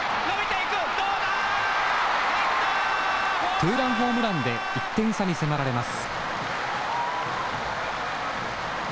ツーランホームランで１点差に迫られます。